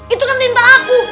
itu kan tinta aku